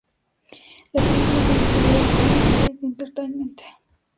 La película fue distribuida por Lions Gate Entertainment.